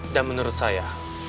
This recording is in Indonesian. dan menurut saya